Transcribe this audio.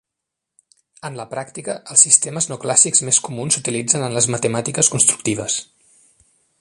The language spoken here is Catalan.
En la pràctica, els sistemes no clàssics més comuns s'utilitzen en les matemàtiques constructives.